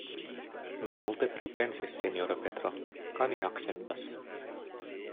Mi multe pripensis, sinjoro Petro; kaj mi akceptas.